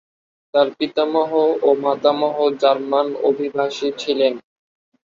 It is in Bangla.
তার পিতামহ ও মাতামহ জার্মান অভিবাসী ছিলেন।